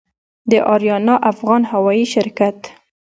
د آریانا افغان هوايي شرکت